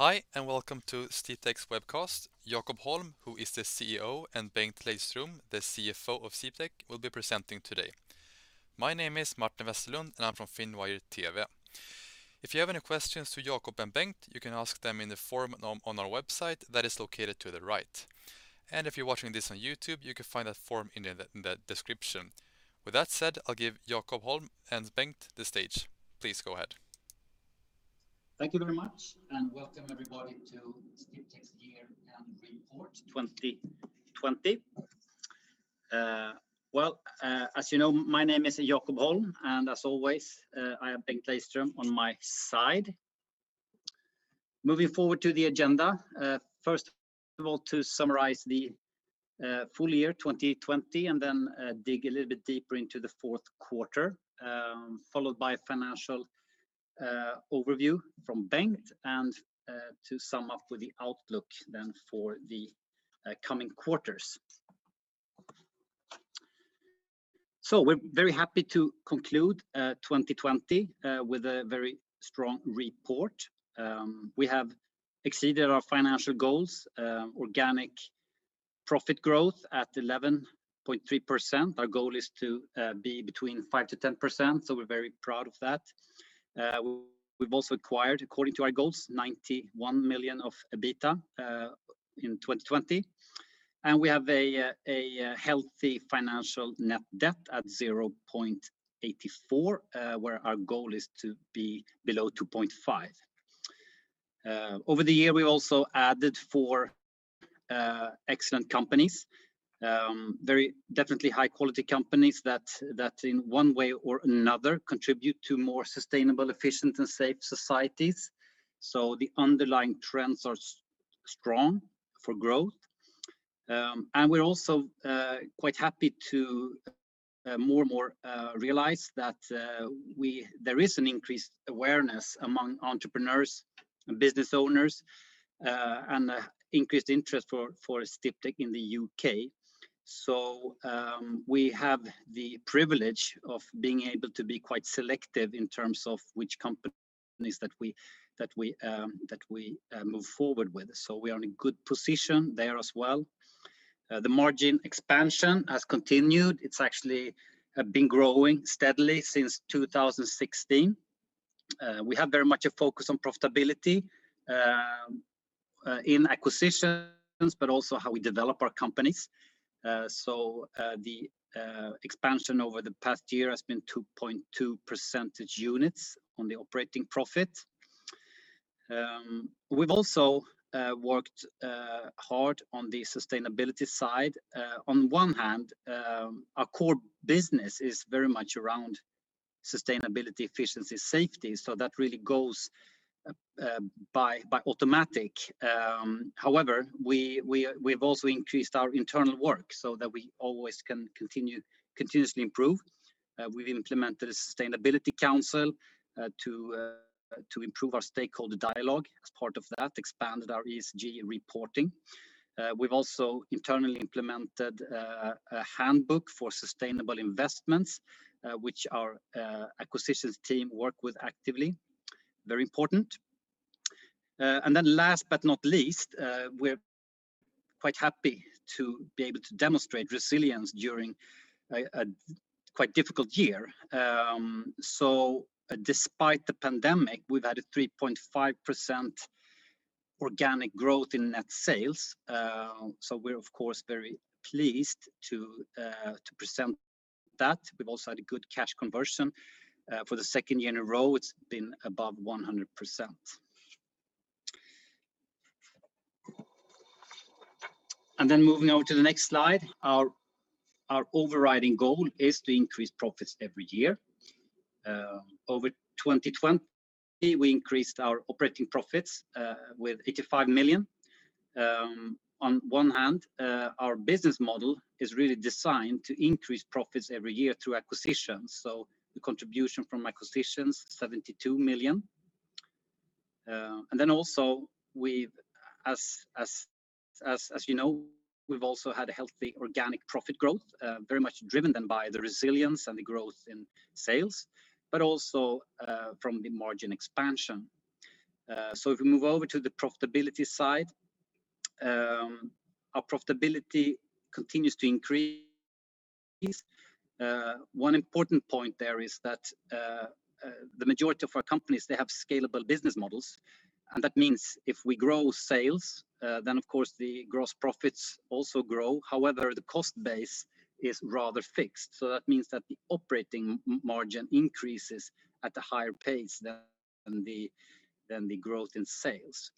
Hi, welcome to Sdiptech's webcast. Jakob Holm, who is the CEO, and Bengt Lejdström, the CFO of Sdiptech, will be presenting today. My name is Martin Westerlund, and I'm from Finwire TV. If you have any questions to Jakob and Bengt, you can ask them in the forum on our website that is located to the right. If you're watching this on YouTube, you can find that form in the description. With that said, I'll give Jakob Holm and Bengt the stage. Please go ahead. Thank you very much. Welcome everybody to Sdiptech's year-end report 2020. Well, as you know, my name is Jakob Holm, and as always, I have Bengt Lejdström on my side. Moving forward to the agenda, first of all, to summarize the full year 2020, and then dig a little bit deeper into the fourth quarter, followed by a financial overview from Bengt, and to sum up with the outlook then for the coming quarters. We're very happy to conclude 2020 with a very strong report. We have exceeded our financial goals, organic profit growth at 11.3%. Our goal is to be between 5%-10%, so we're very proud of that. We've also acquired, according to our goals, 91 million of EBITDA in 2020, we have a healthy financial net debt at 0.84x, where our goal is to be below 2.5x. Over the year, we also added four excellent companies. Very definitely high-quality companies that in one way or another contribute to more sustainable, efficient, and safe societies. The underlying trends are strong for growth. We're also quite happy to more and more realize that there is an increased awareness among entrepreneurs and business owners, and increased interest for Sdiptech in the U.K. We have the privilege of being able to be quite selective in terms of which companies that we move forward with. We are in a good position there as well. The margin expansion has continued. It's actually been growing steadily since 2016. We have very much a focus on profitability in acquisitions, but also how we develop our companies. The expansion over the past year has been 2.2 percentage units on the operating profit. We've also worked hard on the sustainability side. On one hand, our core business is very much around sustainability, efficiency, safety, so that really goes by automatic. However, we've also increased our internal work so that we always can continuously improve. We've implemented a Sustainability Council to improve our stakeholder dialogue as part of that, expanded our ESG reporting. We've also internally implemented a handbook for sustainable investments, which our acquisitions team work with actively. Very important. Last but not least, we're quite happy to be able to demonstrate resilience during a quite difficult year. Despite the pandemic, we've had a 3.5% organic growth in net sales, so we're of course very pleased to present that. We've also had a good cash conversion. For the second year in a row, it's been above 100%. Moving on to the next slide, our overriding goal is to increase profits every year. Over 2020, we increased our operating profits with 85 million. On one hand, our business model is really designed to increase profits every year through acquisitions. The contribution from acquisitions, 72 million. Also with As you know, we've also had a healthy organic profit growth, very much driven then by the resilience and the growth in sales, but also, from the margin expansion. If we move over to the profitability side, our profitability continues to increase. One important point there is that, the majority of our companies, they have scalable business models, and that means if we grow sales, then of course the gross profits also grow. However, the cost base is rather fixed, so that means that the operating margin increases at a higher pace than the growth in sales.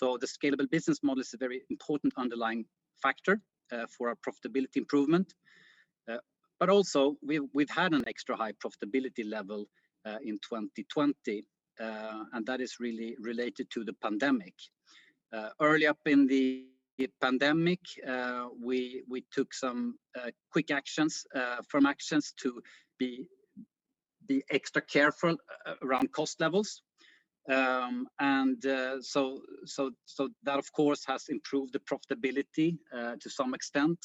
The scalable business model is a very important underlying factor, for our profitability improvement. Also we've had an extra high profitability level in 2020, and that is really related to the pandemic. Early up in the pandemic, we took some quick actions from actions to be extra careful around cost levels. So that of course has improved the profitability to some extent.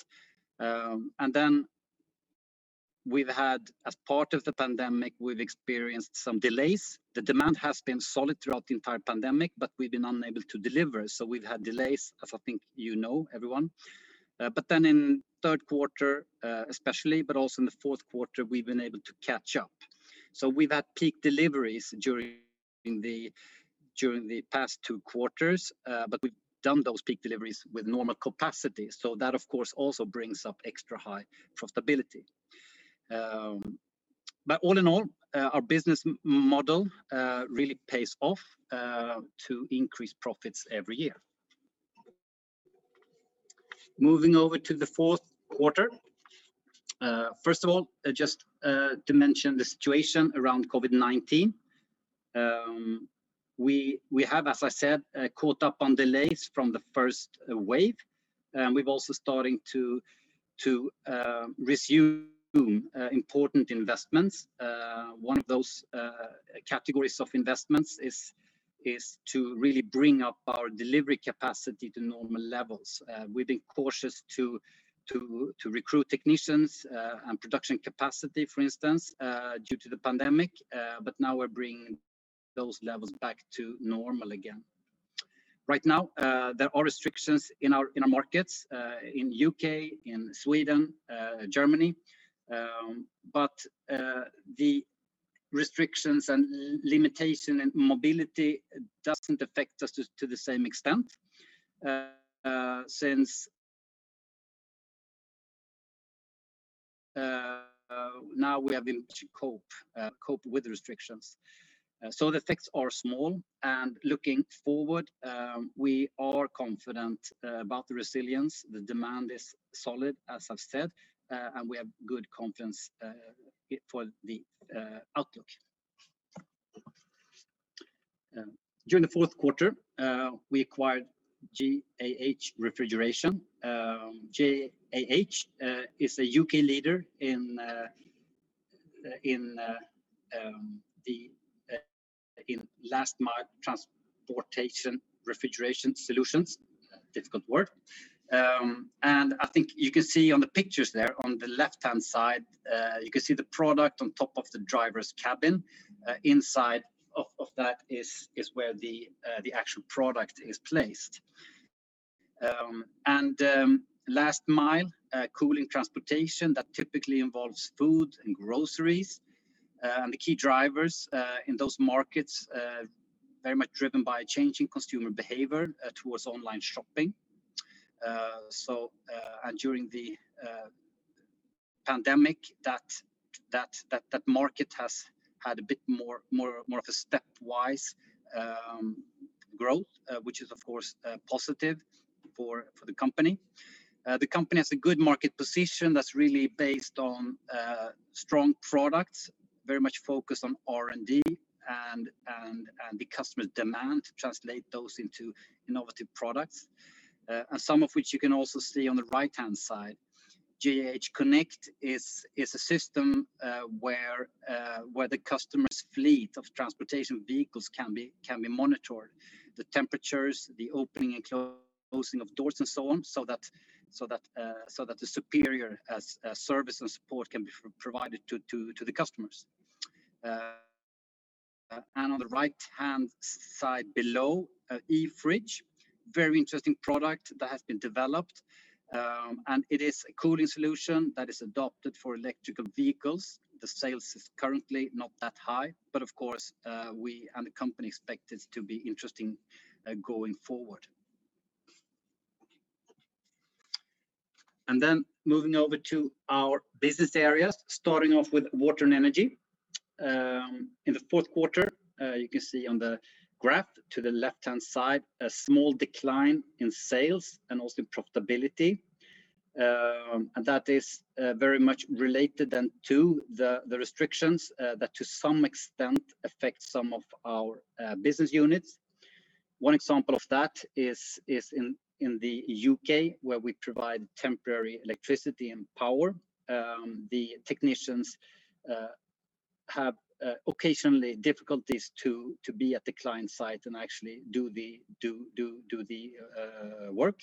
We've had, as part of the pandemic, we've experienced some delays. The demand has been solid throughout the entire pandemic, but we've been unable to deliver, so we've had delays, as I think you know, everyone. In third quarter, especially, but also in the fourth quarter, we've been able to catch up. We've had peak deliveries during the past two quarters, but we've done those peak deliveries with normal capacity. That, of course, also brings up extra high profitability. All in all, our business model really pays off to increase profits every year. Moving over to the fourth quarter, first of all, just to mention the situation around COVID-19. We have, as I said, caught up on delays from the first wave, and we've also starting to resume important investments. One of those categories of investments is to really bring up our delivery capacity to normal levels. We've been cautious to recruit technicians and production capacity, for instance, due to the pandemic, but now we're bringing those levels back to normal again. Right now, there are restrictions in our markets, in the U.K., in Sweden, Germany, but the restrictions and limitation in mobility doesn't affect us to the same extent since now we have been to cope with restrictions. The effects are small, and looking forward, we are confident about the resilience. The demand is solid, as I've said, and we have good confidence for the outlook. During the fourth quarter, we acquired GAH Refrigeration. GAH is a U.K. leader in last mile transportation refrigeration solutions. Difficult word. I think you can see on the pictures there, on the left-hand side, you can see the product on top of the driver's cabin. Inside of that is where the actual product is placed. Last mile cooling transportation, that typically involves food and groceries, and the key drivers in those markets, very much driven by a change in consumer behavior towards online shopping. During the pandemic, that market has had a bit more of a stepwise growth, which is, of course, positive for the company. The company has a good market position that's really based on strong products, very much focused on R&D and the customer demand to translate those into innovative products. Some of which you can also see on the right-hand side. GAH Connect is a system where the customer's fleet of transportation vehicles can be monitored. The temperatures, the opening and closing of doors, and so on, so that the superior service and support can be provided to the customers. On the right-hand side below, E-Fridge, very interesting product that has been developed. It is a cooling solution that is adopted for electrical vehicles. The sales is currently not that high. Of course, we and the company expect it to be interesting going forward. Moving over to our business areas, starting off with Water & Energy. In the fourth quarter, you can see on the graph to the left-hand side, a small decline in sales and also profitability. That is very much related to the restrictions that to some extent affect some of our business units. One example of that is in the U.K., where we provide temporary electricity and power. The technicians have occasionally difficulties to be at the client site and actually do the work.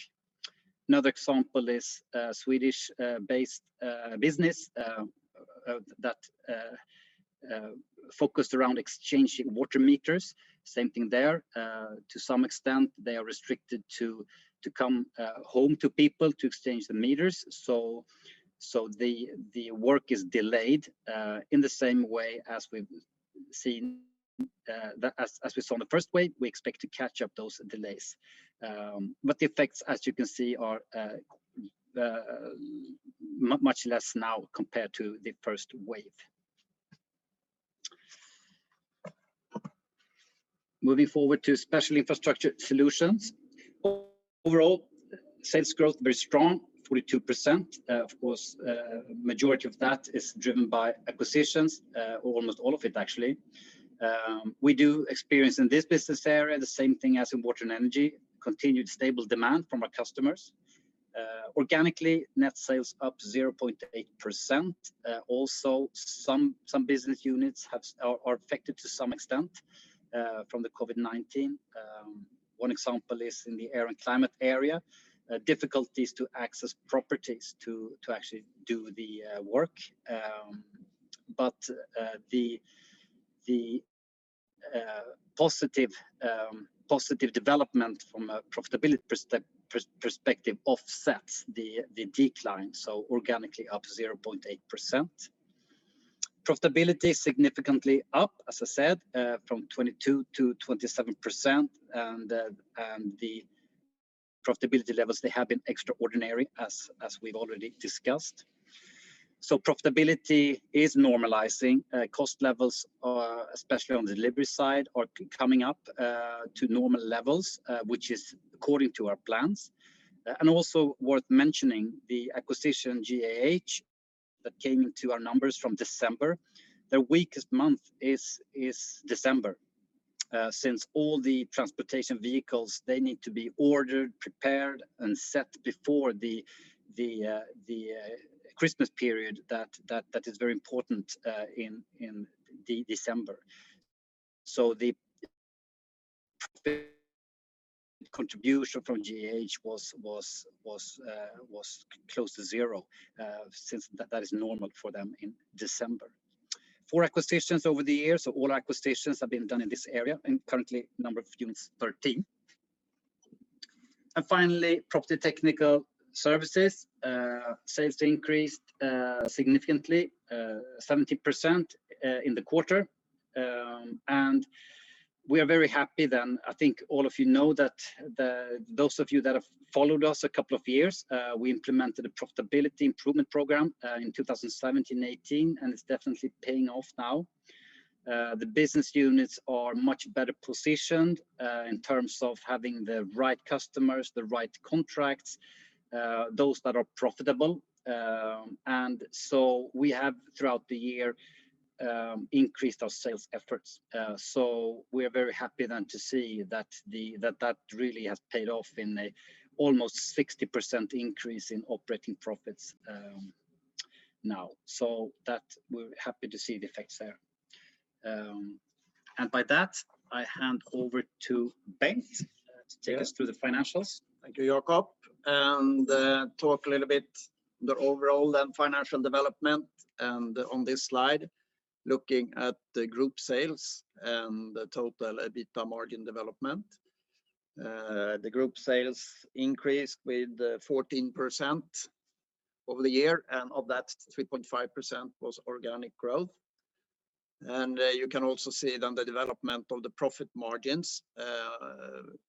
Another example is Swedish based business that focused around exchanging water meters. Same thing there. To some extent, they are restricted to come home to people to exchange the meters. The work is delayed in the same way as we've seen as we saw in the first wave. We expect to catch up those delays. The effects, as you can see, are much less now compared to the first wave. Moving forward to Special Infrastructure Solutions. Overall, sales growth very strong, 42%. Of course, majority of that is driven by acquisitions, or almost all of it actually. We do experience in this business area the same thing as in Water & Energy, continued stable demand from our customers. Organically, net sales up 0.8%. Also some business units are affected to some extent from the COVID-19. One example is in the air and climate area, difficulties to access properties to actually do the work. The positive development from a profitability perspective offsets the decline, so organically up 0.8%. Profitability significantly up, as I said, from 22%-27%, and the profitability levels, they have been extraordinary as we've already discussed. Profitability is normalizing. Cost levels are, especially on delivery side, are coming up to normal levels, which is according to our plans. Also worth mentioning, the acquisition GAH that came into our numbers from December, their weakest month is December, since all the transportation vehicles, they need to be ordered, prepared, and set before the Christmas period that is very important in December. The contribution from GAH was close to zero, since that is normal for them in December. Four acquisitions over the year, so all acquisitions have been done in this area, and currently number of units, 13. Finally, Property Technical Services sales increased significantly 70% in the quarter. We are very happy then I think all of you know that the those of you that have followed us a couple of years, we implemented a profitability improvement program in 2017/2018, and it's definitely paying off now. The business units are much better positioned in terms of having the right customers, the right contracts, those that are profitable. We have, throughout the year, increased our sales efforts. We are very happy then to see that that really has paid off in a almost 60% increase in operating profits now. We're happy to see the effects there. By that, I hand over to Bengt. Yes To take us through the financials. Thank you, Jakob. Talk a little bit the overall financial development. On this slide, looking at the group sales and the total EBITDA margin development. The group sales increased with 14% over the year, and of that, 3.5% was organic growth. You can also see it on the development of the profit margins,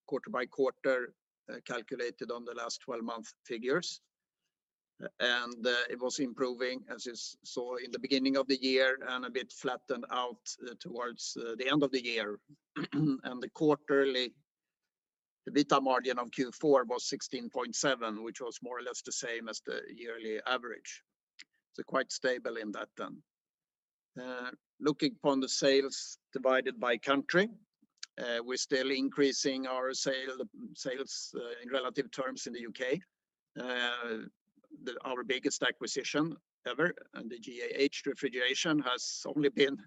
quarter-by-quarter, calculated on the last 12-month figures. It was improving as you saw in the beginning of the year, and a bit flattened out towards the end of the year. The quarterly EBITDA margin of Q4 was 16.7%, which was more or less the same as the yearly average. Quite stable in that. Looking upon the sales divided by country, we're still increasing our sales in relative terms in the U.K. Our biggest acquisition ever, GAH Refrigeration, has only been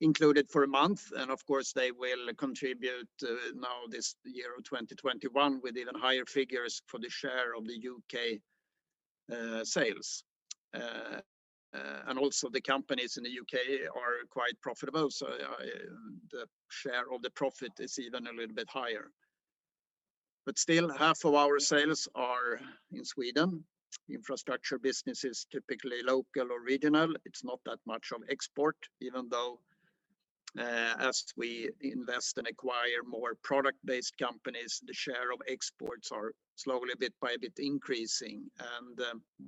included for a month, and of course they will contribute now this year of 2021 with even higher figures for the share of the U.K. sales. Also the companies in the U.K. are quite profitable, the share of the profit is even a little bit higher. Still, half of our sales are in Sweden. Infrastructure business is typically local or regional. It's not that much of export, even though, as we invest and acquire more product-based companies, the share of exports are slowly, bit by bit, increasing.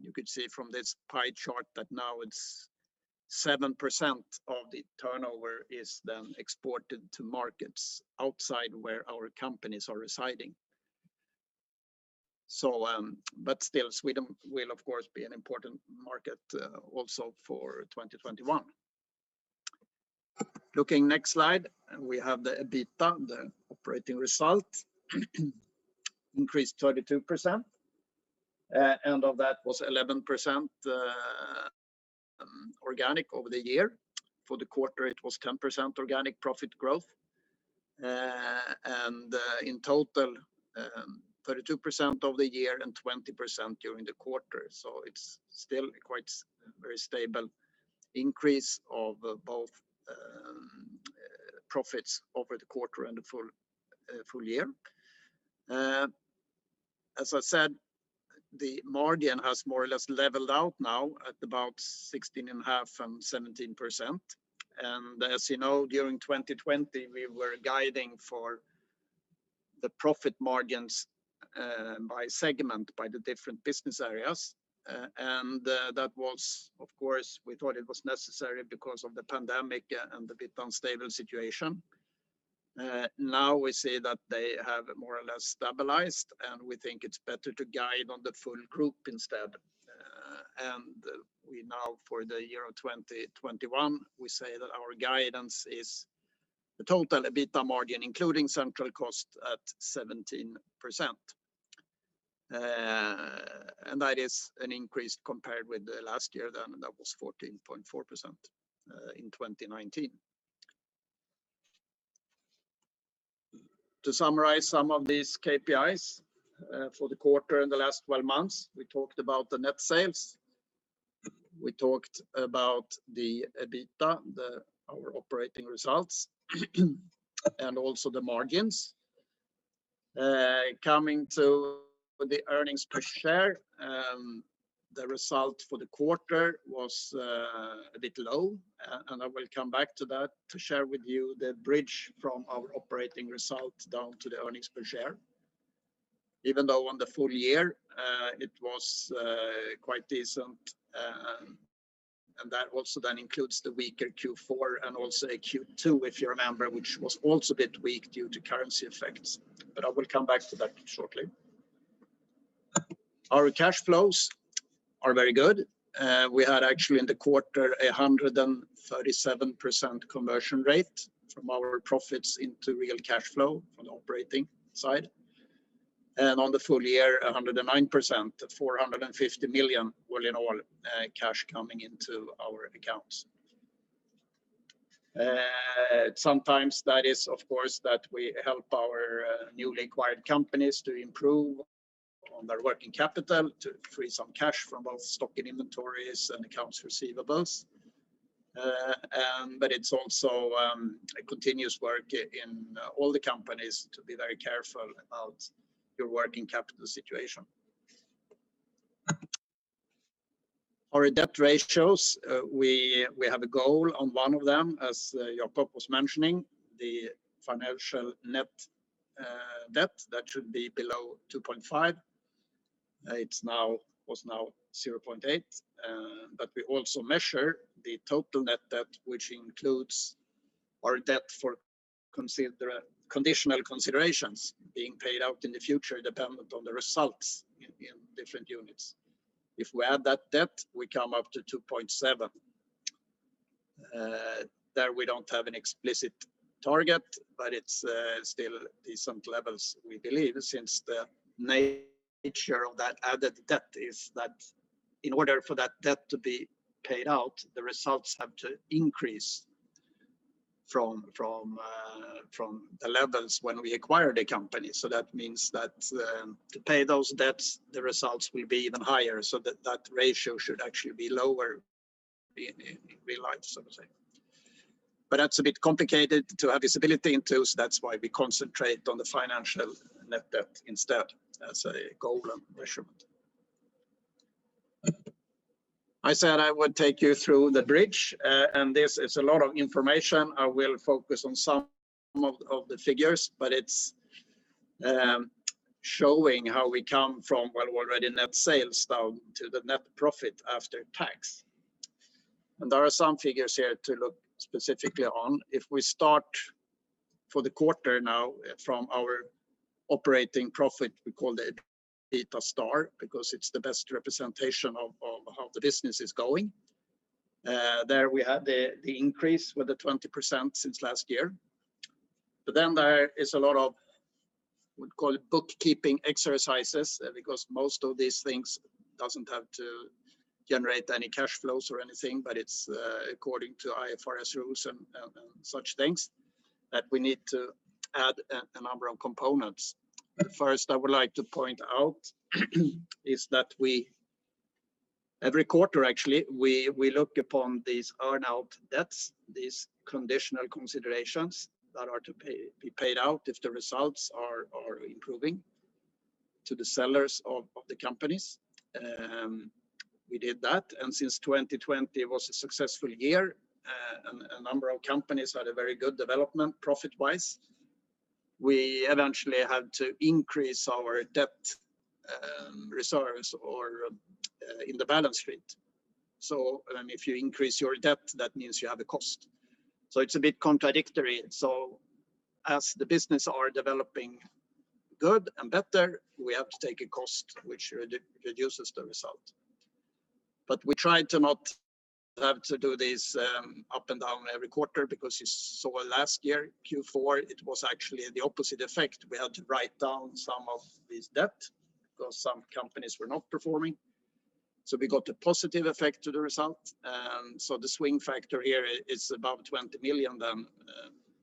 You could see from this pie chart that now it's 7% of the turnover is exported to markets outside where our companies are residing. Still Sweden will of course be an important market also for 2021. Looking next slide, we have the EBITDA, the operating result, increased 32%, and of that was 11% organic over the year. For the quarter, it was 10% organic profit growth. In total, 32% of the year and 20% during the quarter. It's still quite very stable increase of both profits over the quarter and the full year. As I said, the margin has more or less leveled out now at about 16.5% and 17%. As you know, during 2020, we were guiding for the profit margins by segment, by the different business areas. That was, of course, we thought it was necessary because of the pandemic and the bit unstable situation. Now we see that they have more or less stabilized. We think it's better to guide on the full group instead. We now for the year of 2021, we say that our guidance is the total EBITDA margin, including central cost, at 17%. That is an increased compared with the last year then that was 14.4% in 2019. To summarize some of these KPIs for the quarter and the last 12 months, we talked about the net sales. We talked about the EBITDA, our operating results, and also the margins. Coming to the earnings per share, the result for the quarter was a bit low. I will come back to that to share with you the bridge from our operating result down to the earnings per share. Even though on the full year, it was quite decent, and that also then includes the weaker Q4 and also Q2, if you remember, which was also a bit weak due to currency effects. I will come back to that shortly. Our cash flows are very good. We had actually in the quarter 137% conversion rate from our profits into real cash flow on the operating side. On the full year, 109%, 450 million well in all, cash coming into our accounts. Sometimes that is, of course, that we help our newly acquired companies to improve on their working capital to free some cash from both stock and inventories and accounts receivables. It's also a continuous work in all the companies to be very careful about your working capital situation. Our debt ratios, we have a goal on one of them, as Jakob was mentioning, the financial net debt that should be below 2.5x. It was now 0.8x. We also measure the total net debt, which includes our debt for conditional considerations being paid out in the future dependent on the results in different units. If we add that debt, we come up to 2.7x. There we don't have an explicit target, but it's still decent levels, we believe, since the nature of that added debt is that in order for that debt to be paid out, the results have to increase from the levels when we acquired a company. That means that to pay those debts, the results will be even higher. That, that ratio should actually be lower in real life, so to say. That's a bit complicated to have visibility into, so that's why we concentrate on the financial net debt instead as a goal and measurement. I said I would take you through the bridge, and this is a lot of information. I will focus on some of the figures, but it's showing how we come from, well, already net sales down to the net profit after tax. There are some figures here to look specifically on. If we start for the quarter now from our operating profit, we call it EBITA* because it's the best representation of how the business is going. There we have the increase with the 20% since last year. There is a lot of, we call it bookkeeping exercises, because most of these things doesn't have to generate any cash flows or anything, but it's according to IFRS rules and such things that we need to add a number of components. First I would like to point out is that we every quarter actually, we look upon these earn-out debts, these conditional considerations that are to be paid out if the results are improving to the sellers of the companies. We did that, since 2020 was a successful year, and a number of companies had a very good development profit-wise, we eventually had to increase our debt reserves or in the balance sheet. If you increase your debt, that means you have a cost. It's a bit contradictory. As the business are developing good and better, we have to take a cost which reduces the result. We try to not have to do this up and down every quarter because you saw last year, Q4, it was actually the opposite effect. We had to write down some of this debt because some companies were not performing. We got a positive effect to the result. The swing factor here is about 20 million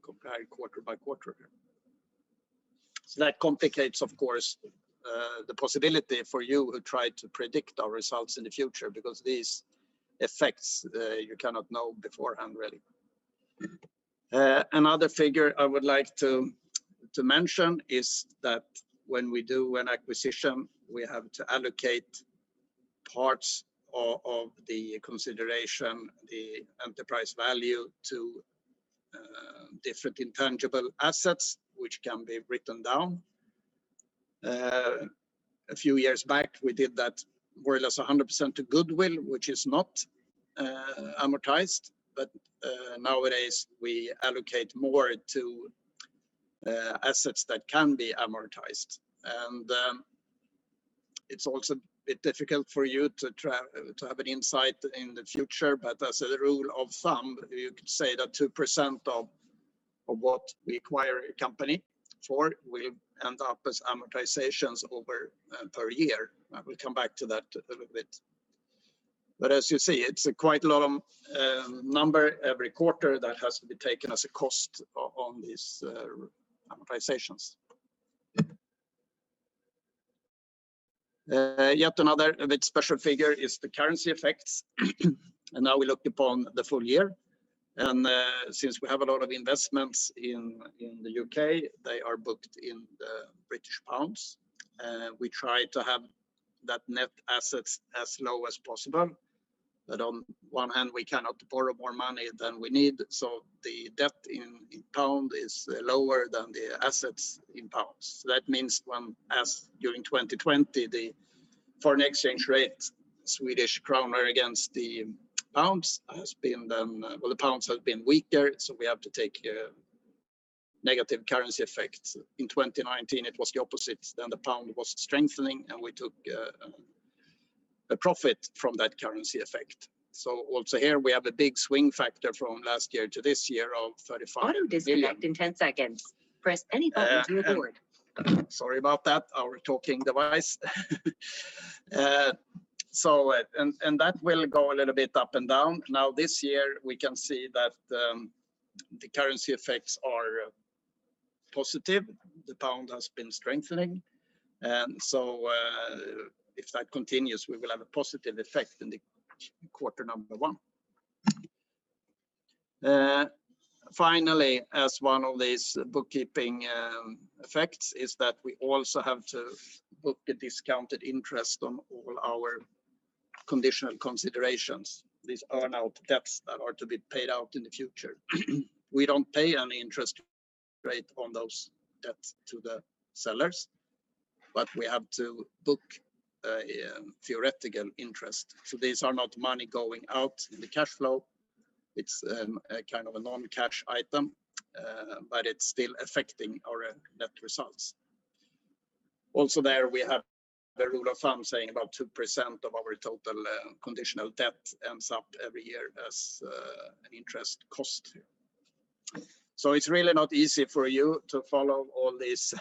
compared quarter-by-quarter. That complicates, of course, the possibility for you who try to predict our results in the future because these effects, you cannot know beforehand really. Another figure I would like to mention is that when we do an acquisition, we have to allocate parts of the consideration, the enterprise value to different intangible assets which can be written down. A few years back, we did that more or less 100% to goodwill, which is not amortized, but nowadays we allocate more to assets that can be amortized. It's also a bit difficult for you to have an insight in the future, but as a rule of thumb, you could say that 2% of what we acquire a company for will end up as amortizations over per year. I will come back to that in a little bit. As you see, it's a quite a lot of number every quarter that has to be taken as a cost on this amortizations. Yet another a bit special figure is the currency effects. Now we look upon the full year. Since we have a lot of investments in the U.K., they are booked in the British pounds. We try to have that net assets as low as possible. On one hand we cannot borrow more money than we need, the debt in pounds is lower than the assets in pounds. That means during 2020 the foreign exchange rate Swedish kronor against the pounds has been then Well, the pounds have been weaker, we have to take negative currency effects. In 2019 it was the opposite. The pound was strengthening, and we took a profit from that currency effect. Also here we have a big swing factor from last year to this year of 35 million. Auto-disconnect in 10 seconds. Press any button to abort Sorry about that, our talking device. That will go a little bit up and down. Now this year we can see that the currency effects are positive. The GBP has been strengthening. If that continues, we will have a positive effect in the quarter one. Finally, as one of these bookkeeping effects is that we also have to book a discounted interest on all our conditional considerations, these earn-out debts that are to be paid out in the future. We don't pay any interest rate on those debt to the sellers, but we have to book a theoretical interest. These are not money going out in the cash flow. It's a kind of a non-cash item, but it's still affecting our net results. There we have the rule of thumb saying about 2% of our total conditional debt ends up every year as an interest cost. It's really not easy for you to follow all these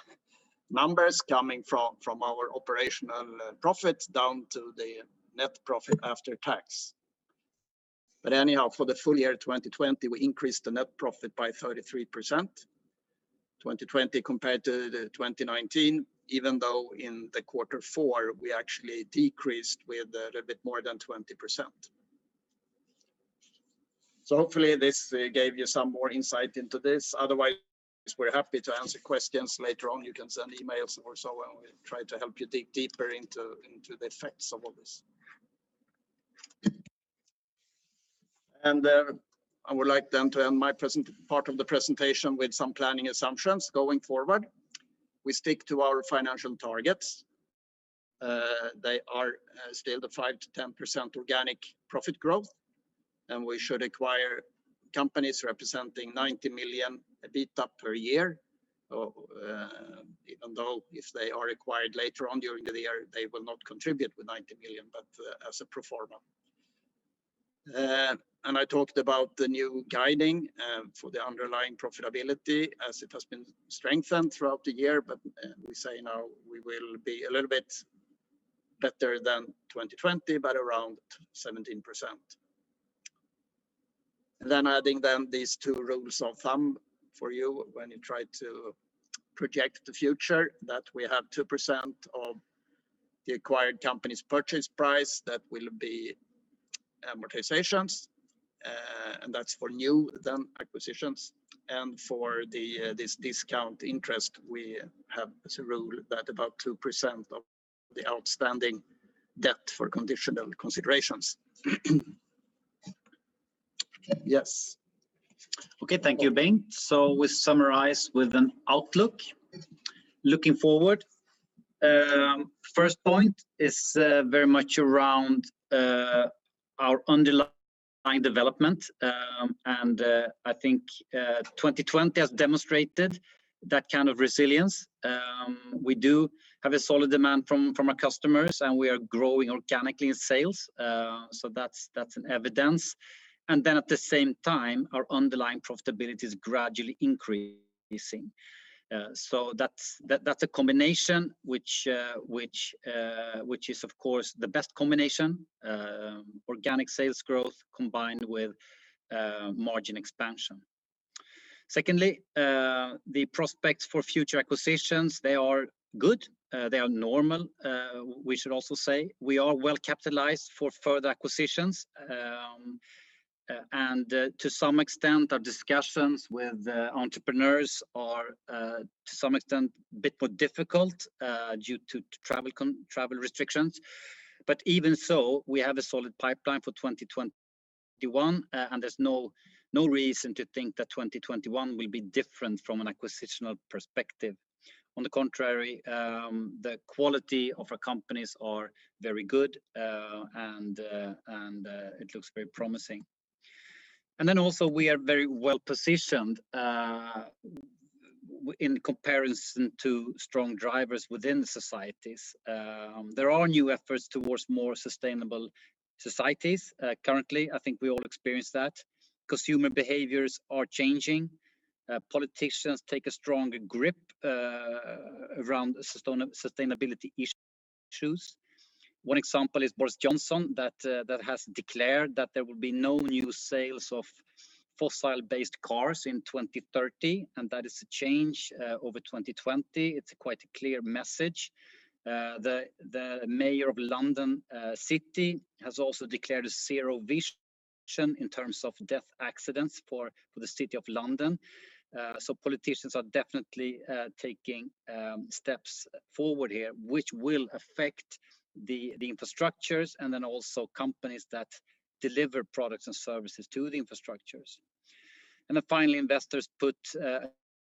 numbers coming from our operational profit down to the net profit after tax. Anyhow, for the full year 2020, we increased the net profit by 33%, 2020 compared to the 2019, even though in the quarter four we actually decreased with a little bit more than 20%. Hopefully this gave you some more insight into this. Otherwise we're happy to answer questions later on. You can send emails or so, we'll try to help you dig deeper into the effects of all this. I would like then to end my part of the presentation with some planning assumptions going forward. We stick to our financial targets. They are still the 5%-10% organic profit growth, we should acquire companies representing 90 million EBITDA per year. Even though if they are acquired later on during the year, they will not contribute with 90 million, as a pro forma. I talked about the new guiding for the underlying profitability as it has been strengthened throughout the year. We say now we will be a little bit better than 2020, around 17%. Adding then these two rules of thumb for you when you try to project the future, that we have 2% of the acquired company's purchase price that will be amortizations, that's for new then acquisitions. For the, this discount interest, we have as a rule that about 2% of the outstanding debt for conditional considerations. Yes. Okay. Thank you, Bengt. We summarize with an outlook looking forward. First point is very much around our underlying development. I think 2020 has demonstrated that kind of resilience. We do have a solid demand from our customers, and we are growing organically in sales. That's an evidence. At the same time, our underlying profitability is gradually increasing. That's a combination which is of course the best combination, organic sales growth combined with margin expansion. Secondly, the prospects for future acquisitions, they are good. They are normal. We should also say we are well capitalized for further acquisitions. To some extent our discussions with entrepreneurs are to some extent a bit more difficult due to travel restrictions. Even so, we have a solid pipeline for 2021, and there's no reason to think that 2021 will be different from an acquisitional perspective. On the contrary, the quality of our companies are very good, and it looks very promising. Then also we are very well positioned in comparison to strong drivers within societies. There are new efforts towards more sustainable societies. Currently, I think we all experience that. Consumer behaviors are changing. Politicians take a stronger grip around sustainability issues. One example is Boris Johnson that has declared that there will be no new sales of fossil-based cars in 2030. That is a change over 2020. It's quite a clear message. The mayor of London city has also declared a zero vision in terms of death accidents for the city of London. Politicians are definitely taking steps forward here, which will affect the infrastructures and then also companies that deliver products and services to the infrastructures. Then finally, investors put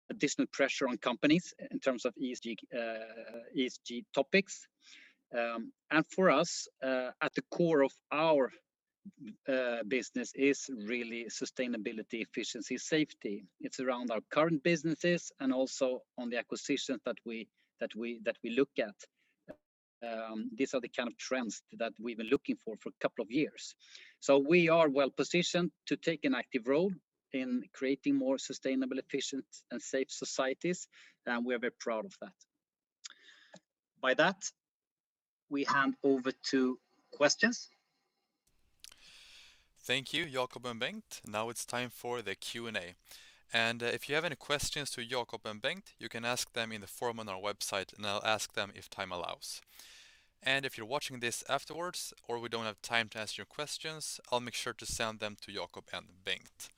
additional pressure on companies in terms of ESG topics. For us, at the core of our business is really sustainability, efficiency, safety. It's around our current businesses and also on the acquisitions that we look at. These are the kind of trends that we've been looking for for a couple of years. We are well-positioned to take an active role in creating more sustainable, efficient, and safe societies, and we are very proud of that. By that, we hand over to questions. Thank you, Jakob and Bengt. Now it's time for the Q&A. If you have any questions to Jakob and Bengt, you can ask them in the forum on our website, and I'll ask them if time allows. If you're watching this afterwards or we don't have time to answer your questions, I'll make sure to send them to Jakob and Bengt.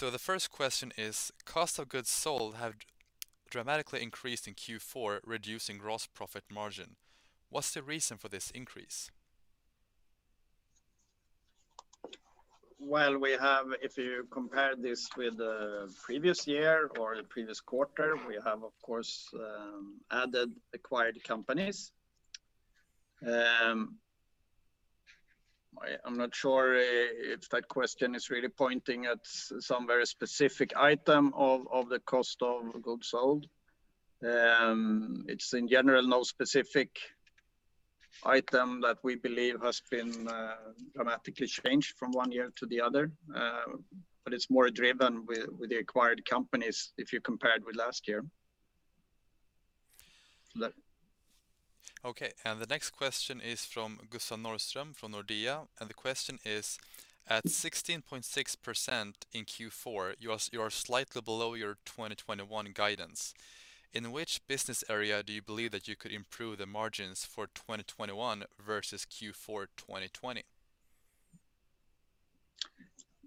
The first question is, cost of goods sold have dramatically increased in Q4, reducing gross profit margin. What's the reason for this increase? Well, if you compare this with the previous year or the previous quarter, we have, of course, added acquired companies. I'm not sure if that question is really pointing at some very specific item of the cost of goods sold. It's in general, no specific item that we believe has been dramatically changed from one year to the other. It's more driven with the acquired companies if you compare it with last year. The next question is from Gustav Norrström from Nordea. The question is, at 16.6% in Q4, you are slightly below your 2021 guidance. In which business area do you believe that you could improve the margins for 2021 versus Q4 2020?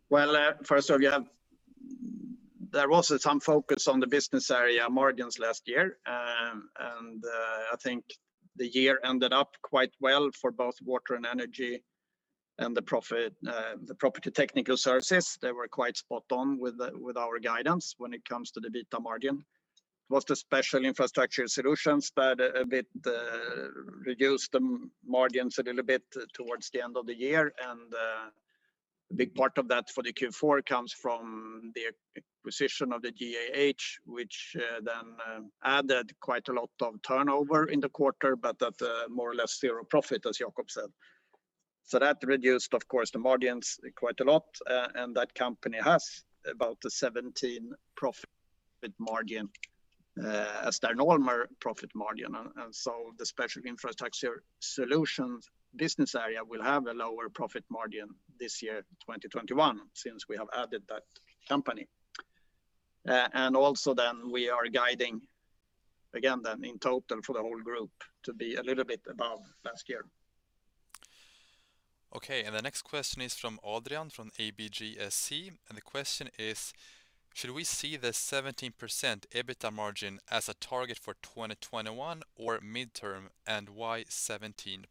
Well, first of we have There was some focus on the business area margins last year. I think the year ended up quite well for both Water & Energy and the Property Technical Services. They were quite spot on with our guidance when it comes to the EBITDA margin. It was the Special Infrastructure Solutions that a bit reduced the margins a little bit towards the end of the year. A big part of that for the Q4 comes from the acquisition of the GAH, which then added quite a lot of turnover in the quarter, but at more or less zero profit, as Jakob said. That reduced, of course, the margins quite a lot. That company has about a 17 profit margin, standard, normal profit margin. The Special Infrastructure Solutions business area will have a lower profit margin this year, 2021, since we have added that company. Also we are guiding again then in total for the whole group to be a little bit above last year. Okay. The next question is from Adrian from ABGSC, and the question is, should we see the 17% EBITDA margin as a target for 2021 or midterm, and why 17%?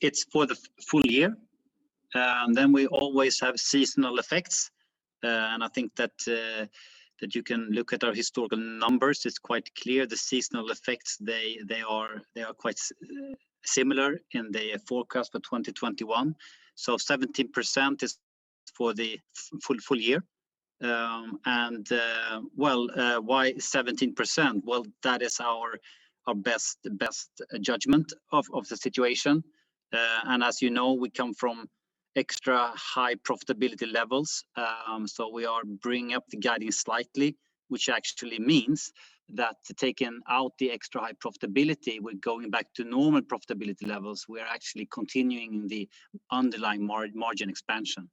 It's for the full year. We always have seasonal effects. I think that you can look at our historical numbers. It's quite clear the seasonal effects, they are quite similar in the forecast for 2021. 17% is for the full year. Why 17%? That is our best judgment of the situation. As you know, we come from extra high profitability levels. We are bringing up the guidance slightly, which actually means that taking out the extra high profitability, we're going back to normal profitability levels. We are actually continuing the underlying margin expansion.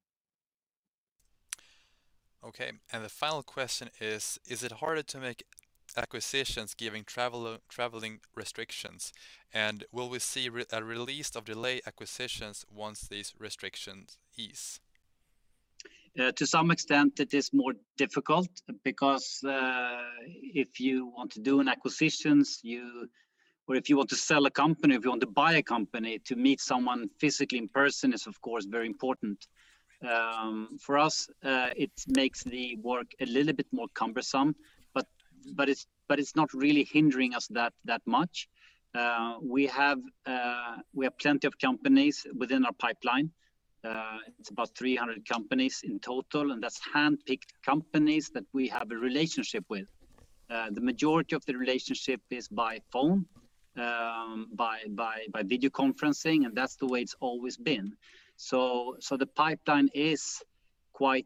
Okay. The final question is it harder to make acquisitions given traveling restrictions? Will we see a release of delayed acquisitions once these restrictions ease? To some extent it is more difficult because if you want to sell a company, if you want to buy a company, to meet someone physically in person is of course very important. For us, it makes the work a little bit more cumbersome. It's not really hindering us that much. We have plenty of companies within our pipeline. It's about 300 companies in total. That's handpicked companies that we have a relationship with. The majority of the relationship is by phone, by video conferencing. That's the way it's always been. The pipeline is quite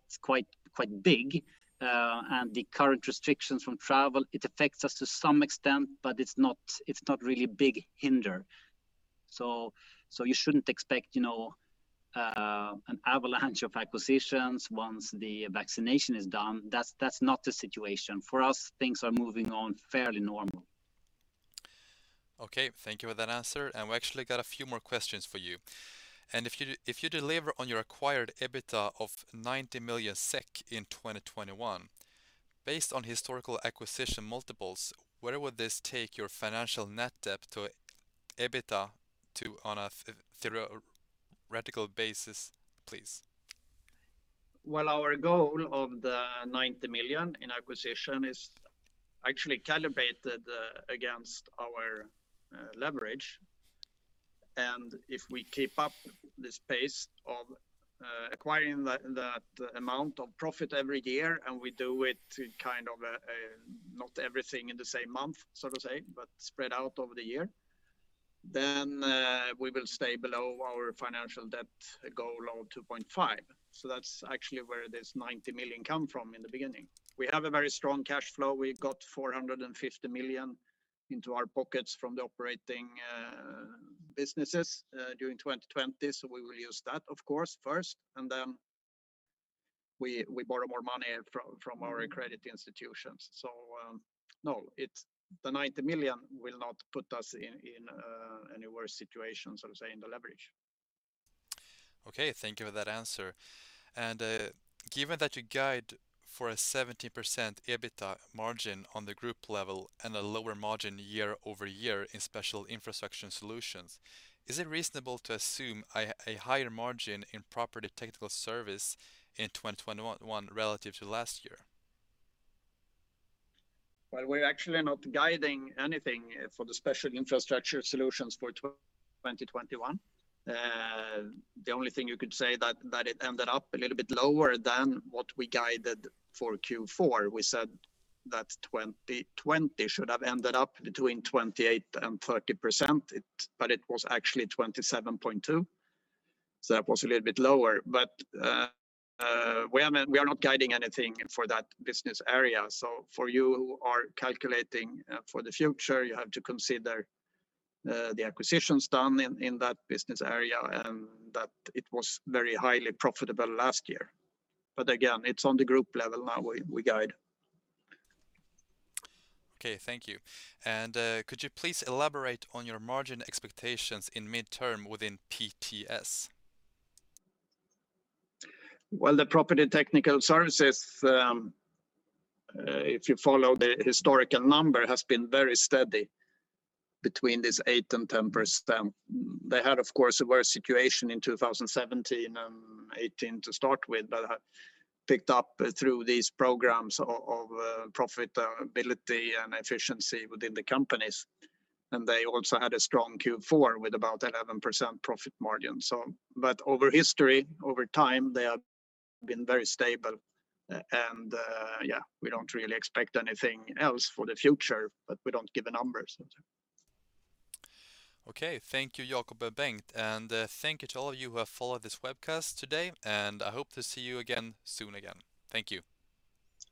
big. The current restrictions from travel, it affects us to some extent, but it's not really big hindrance. You shouldn't expect, you know, an avalanche of acquisitions once the vaccination is done. That's not the situation. For us, things are moving on fairly normal. Okay, thank you for that answer. We actually got a few more questions for you. If you deliver on your acquired EBITDA of 90 million SEK in 2021, based on historical acquisition multiples, where would this take your financial net debt to EBITDA to on a theoretical basis, please? Our goal of the 90 million in acquisition is actually calibrated against our leverage. If we keep up this pace of acquiring that amount of profit every year, and we do it to kind of not everything in the same month, so to say, but spread out over the year, we will stay below our financial debt goal of 2.5x. That's actually where this 90 million come from in the beginning. We have a very strong cash flow. We got 450 million into our pockets from the operating businesses during 2020, so we will use that, of course, first, and then we borrow more money from our credit institutions. The 90 million will not put us in any worse situation, so to say, in the leverage. Okay, thank you for that answer. Given that you guide for a 17% EBITDA margin on the group level and a lower margin year-over-year in Special Infrastructure Solutions, is it reasonable to assume a higher margin in Property Technical Services in 2021 relative to last year? Well, we're actually not guiding anything for the Special Infrastructure Solutions for 2021. The only thing you could say that it ended up a little bit lower than what we guided for Q4. We said that 2020 should have ended up between 28% and 30%. It was actually 27.2%, that was a little bit lower. We are not guiding anything for that business area. For you who are calculating for the future, you have to consider the acquisitions done in that business area and that it was very highly profitable last year. Again, it's on the group level now we guide. Okay, thank you. Could you please elaborate on your margin expectations in midterm within PTS? The Property Technical Services, if you follow the historical number, has been very steady between this 8% and 10%. They had, of course, a worse situation in 2017 and 2018 to start with, but have picked up through these programs of profitability and efficiency within the companies, and they also had a strong Q4 with about 11% profit margin. Over history, over time, they have been very stable. We don't really expect anything else for the future, but we don't give the numbers. Okay. Thank you, Jakob and Bengt. Thank you to all of you who have followed this webcast today, and I hope to see you again soon again. Thank you.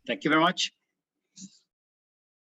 Thank you very much.